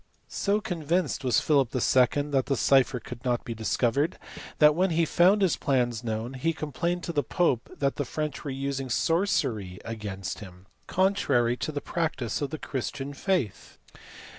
So convinced was Philip II. that the cipher could not be discovered that when he found his plans known he complained to the pope that the French were using sorcery against him, " contrary to the prac tice of the Christian faith."